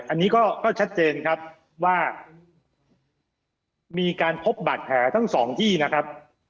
อันนี้ก็ชัดเจนครับว่ามีการพบบาดแผลทั้งสองที่นะครับ